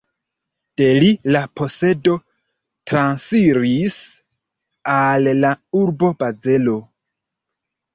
De li la posedo transiris al la urbo Bazelo.